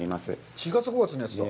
４月、５月のやつだ。